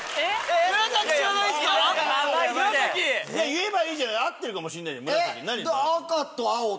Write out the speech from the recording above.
言えばいいじゃない合ってるかもしれないじゃん。